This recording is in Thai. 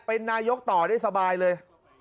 เป็นนายกต่อได้สบายเลย